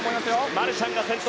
マルシャンが先頭。